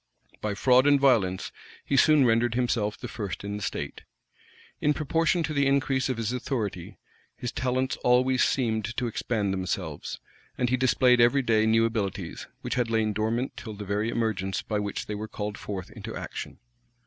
By fraud and violence, he soon rendered himself the first in the state. In proportion to the increase of his authority, his talents always seemed to expand themselves; and he displayed every day new abilities, which had lain dormant till the very emergence by which they were called forth into action.